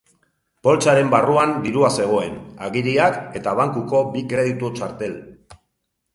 Poltsaren barruan dirua zegoen, agiriak eta bankuko bi kreditu-txartel.